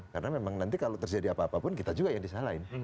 karena memang nanti kalau terjadi apa apa pun kita juga yang disalahin